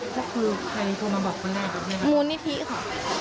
แล้วคือใครโทรมาบอกคุณหน้ากับนี่นะครับมูลนิธิค่ะ